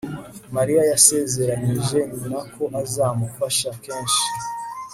mariya yasezeranyije nyina ko azamufasha kenshi